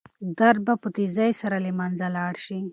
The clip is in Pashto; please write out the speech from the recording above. درد به په تېزۍ سره له منځه لاړ شي.